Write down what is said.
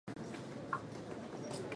石川県内灘町